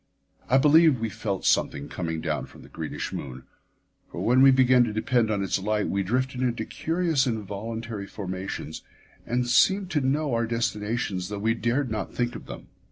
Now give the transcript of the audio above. I believe we felt something coming down from the greenish moon, for when we began to depend on its light we drifted into curious involuntary formations and seemed to know our destinations though we dared not think of them.